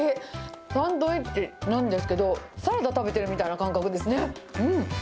サンドイッチなんですけど、サラダ食べてるみたいな感覚ですね。